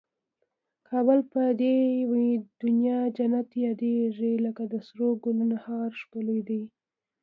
کابل په دي دونیا جنت یادېږي لکه د سرو ګلنو هار ښکلی دی